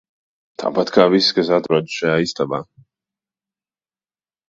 Tāpat kā viss, kas atrodas šajā istabā.